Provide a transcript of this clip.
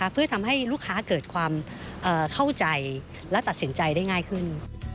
เพื่อทำให้ลูกค้าเกิดความเข้าใจและตัดสินใจได้ง่ายขึ้น